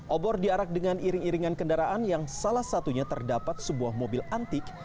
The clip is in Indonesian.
obor diarak dengan iring iringan kendaraan yang salah satunya terdapat sebuah mobil antik